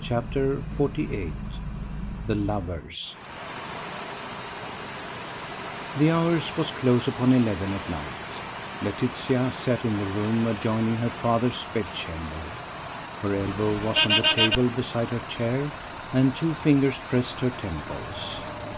CHAPTER XLVIII THE LOVERS The hour was close upon eleven at night. Laetitia sat in the room adjoining her father's bedchamber. Her elbow was on the table beside her chair, and two fingers pressed her temples.